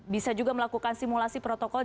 bisa juga melakukan simulasi protokol